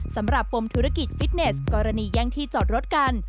ปมธุรกิจฟิตเนสกรณีแย่งที่จอดรถกัน